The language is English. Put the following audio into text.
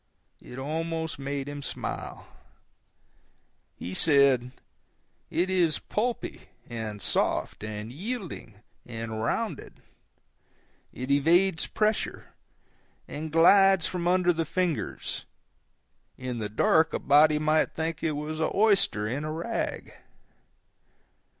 It almost made him smile. He said, "It is pulpy, and soft, and yielding, and rounded; it evades pressure, and glides from under the fingers; in the dark a body might think it was an oyster in a rag."